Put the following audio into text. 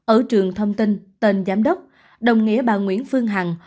ở trường thông tin tên giám đốc đồng nghĩa bà nguyễn phương hằng